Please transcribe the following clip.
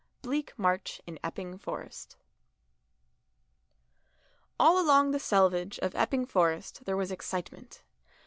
BLEAK MARCH IN EPPING FOREST All along the selvage of Epping Forest there was excitement.